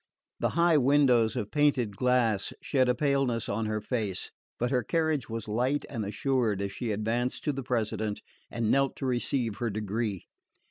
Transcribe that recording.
The high windows of painted glass shed a paleness on her face, but her carriage was light and assured as she advanced to the President and knelt to receive her degree.